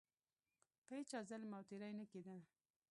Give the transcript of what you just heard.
په هیچا ظلم او تیری نه کېده.